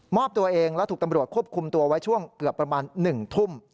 อบตัวเองและถูกตำรวจควบคุมตัวไว้ช่วงเกือบประมาณ๑ทุ่ม